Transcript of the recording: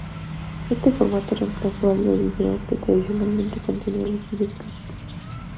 Este formato reemplazó al de vídeo que tradicionalmente contenía los videoclip.